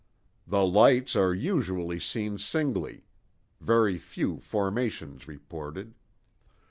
"The lights are usually seen singly—very few formations reported.